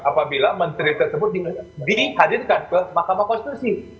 apabila menteri tersebut dihadirkan ke mahkamah konstitusi